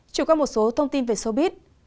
chủ có một số thông tin về số biết